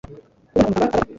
kubona umuganga aguruka